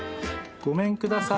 ごめんください。